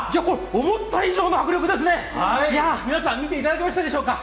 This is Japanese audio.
思った以上の迫力ですね、皆さん、見ていただけましたでしょうか。